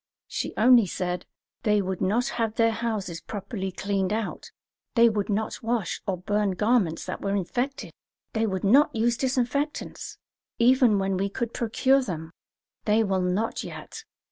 She only said: "They would not have their houses properly cleaned out; they would not wash or burn garments that were infected; they would not use disinfectants, even when we could procure them; they will not yet.